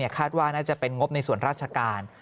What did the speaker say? คาดว่าน่าจะเป็นงบในส่วนราชการ